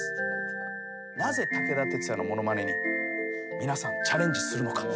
なぜ武田鉄矢のものまねに皆さんチャレンジするのか。